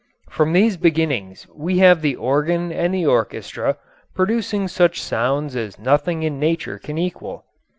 From these beginnings we have the organ and the orchestra, producing such sounds as nothing in nature can equal.